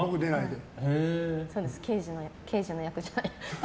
刑事の役じゃない。